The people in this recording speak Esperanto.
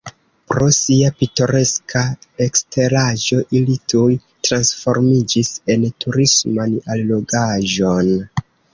Pro sia pitoreska eksteraĵo ili tuj transformiĝis en turisman allogaĵon.